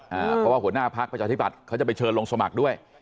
เพราะว่าหัวหน้าพักประชาธิบัติเขาจะไปเชิญลงสมัครด้วย